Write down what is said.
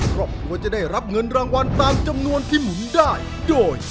ครอบครัวจะได้รับเงินรางวัลตามจำนวนที่หมุนได้โดย